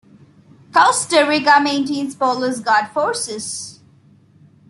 Costa Rica maintains Police Guard forces.